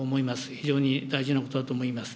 非常に大事なことだと思います。